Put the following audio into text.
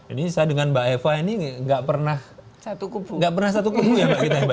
ini saya dengan mbak eva ini nggak pernah satu kubu ya mbak kita ya